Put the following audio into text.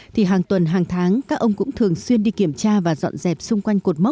thì hàng tuần hàng tháng các ông cũng thường xuyên đi kiểm tra và dọn dẹp xung quanh cột mốc